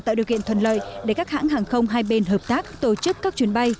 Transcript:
tạo điều kiện thuận lợi để các hãng hàng không hai bên hợp tác tổ chức các chuyến bay